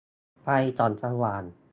ไฟส่องสว่าง